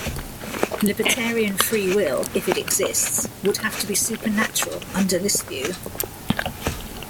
Libertarian free will, if it exists, would have to be supernatural under this view.